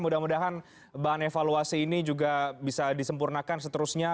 mudah mudahan bahan evaluasi ini juga bisa disempurnakan seterusnya